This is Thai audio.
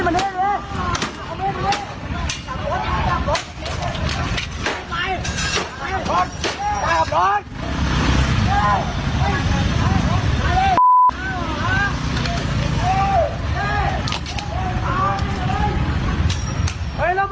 เงี๊ยบ